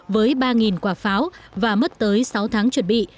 với ba quả pháo và mất tới sáu tháng chuẩn bị